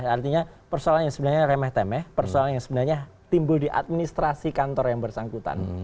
artinya persoalan yang sebenarnya remeh temeh persoalan yang sebenarnya timbul di administrasi kantor yang bersangkutan